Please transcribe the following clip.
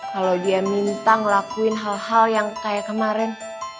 kalau dia minta ngelakuin hal hal yang kayak kemarin